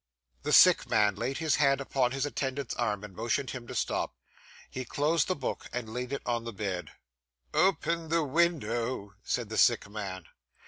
The sick man laid his hand upon his attendant's arm, and motioned him to stop. He closed the book, and laid it on the bed. 'Open the window,' said the sick man.